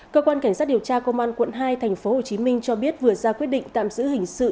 cơ quan cảnh sát điều tra công an quận hai tp hcm cho biết vừa ra quyết định tạm giữ hình sự